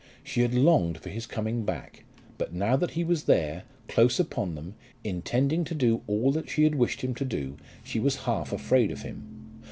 She had longed for his coming back; but now that he was there, close upon them, intending to do all that she had wished him to do, she was half afraid of him!